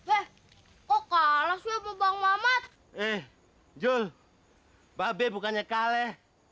eh kok kalah siapa bang mamat eh jul babe bukannya kaleh